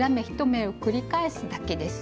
１目を繰り返すだけです。